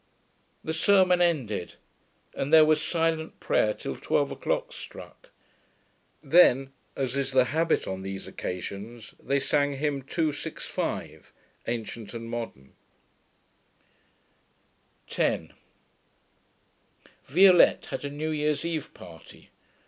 The sermon ended, and there was silent prayer till twelve o'clock struck. Then, as is the habit on these occasions, they sang hymn 265 (A. and M.). 10 Violette had a new year's eve party.